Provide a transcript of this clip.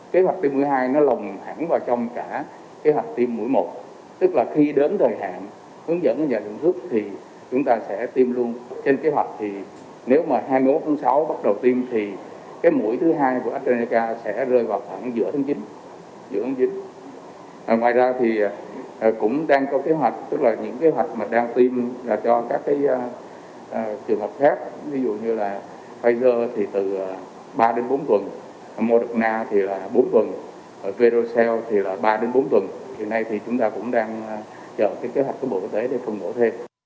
kế hoạch của thành phố là nhanh chóng phun mũi một theo thời hạn khuyến cáo của nhà sản xuất